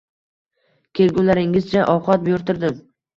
Kelgunlaringizcha ovqat buyurtirdim